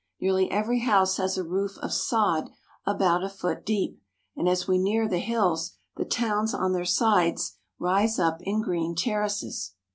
Nearly every house has a roof of sod about a foot deep, and as we near the hills, the towns on their sides rise up in green terraces.